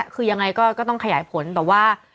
คือยังไงก็ต้องขยายผลแต่ว่า